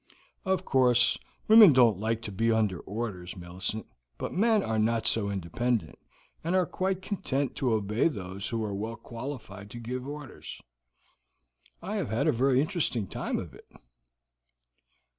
"Of course, women don't like to be under orders, Millicent; but men are not so independent, and are quite content to obey those who are well qualified to give orders. I have had a very interesting time of it."